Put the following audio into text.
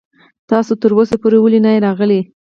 تاسو تر اوسه پورې ولې نه يې راغلی.